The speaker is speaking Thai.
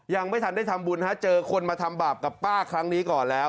ยังไม่ทันได้ทำบุญฮะเจอคนมาทำบาปกับป้าครั้งนี้ก่อนแล้ว